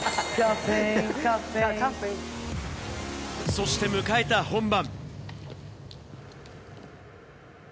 そして迎えた本番。